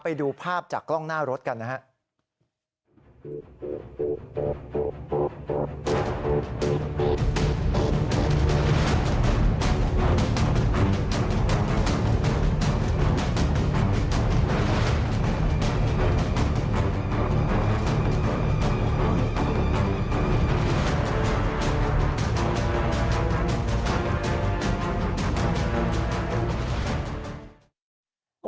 ไปดูภาพจากกล้องหน้ารถกันนะครับ